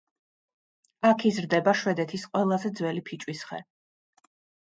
აქ იზრდება შვედეთის ყველაზე ძველი ფიჭვის ხე.